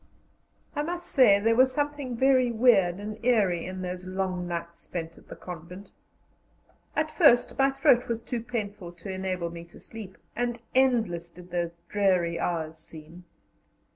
I must say there was something very weird and eerie in those long nights spent at the convent. At first my throat was too painful to enable me to sleep, and endless did those dreary hours seem.